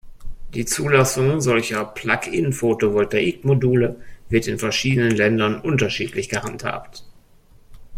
Die Zulassung solcher Plug-In-Photovoltaikmodule wird in verschiedenen Ländern unterschiedlich gehandhabt.